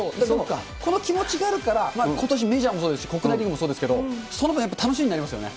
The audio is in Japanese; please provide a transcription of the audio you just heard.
この気持ちがあるから、ことし、メジャーもそうです、国内リーグもそうですけど、その分やっぱり楽しみになりますよね。